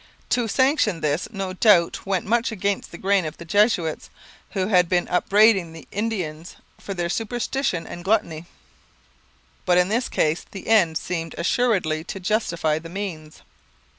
To sanction this no doubt went much against the grain of the Jesuits, who had been upbraiding the Indians for their superstition and gluttony; but in this case the end seemed assuredly to justify the means.